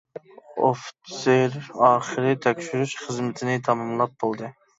ئوفىتسېر ئاخىرى تەكشۈرۈش خىزمىتىنى تاماملاپ بولدى.